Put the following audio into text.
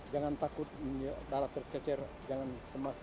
jangan takut darah tercecer jangan cemas